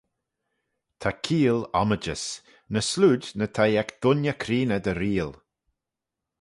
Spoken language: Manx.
Ta keeayll ommidjys, ny slooid ny t'ee ec dooinney creeney dy reayll